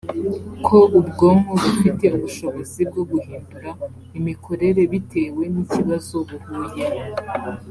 ko ubwonko bufite ubushobozi bwo guhindura imikorere bitewe n ikibazo buhuye